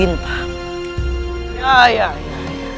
ini pengajian bukit binta